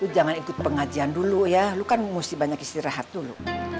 ro lo jangan ikut pengajian dulu ya lo kan mesti banyak istirahat dulu